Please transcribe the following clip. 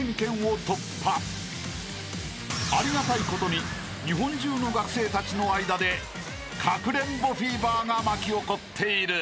［ありがたいことに日本中の学生たちの間でかくれんぼフィーバーが巻き起こっている］